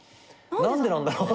何でなんだろう？